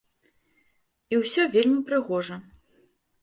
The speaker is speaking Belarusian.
І ўсё вельмі прыгожа.